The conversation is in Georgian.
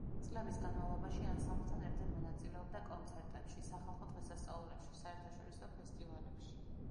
წლების განმავლობაში ანსამბლთან ერთად მონაწილეობდა კონცერტებში, სახალხო დღესასწაულებში, საერთაშორისო ფესტივალებში.